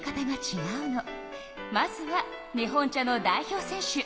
まずは日本茶の代表選手